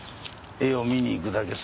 絵を見にいくだけさ。